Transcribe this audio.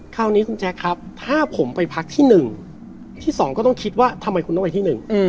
คราวนี้คุณแจ๊คครับถ้าผมไปพักที่หนึ่งที่สองก็ต้องคิดว่าทำไมคุณต้องไปที่หนึ่ง